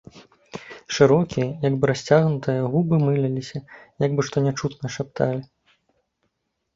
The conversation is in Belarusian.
Шырокія, як бы расцягнутыя, губы мыляліся, як бы што нячутнае шапталі.